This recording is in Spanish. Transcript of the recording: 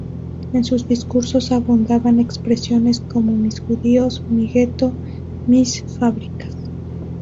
En sus discursos abundaban expresiones como "mis judíos", "mi gueto", "mis fábricas".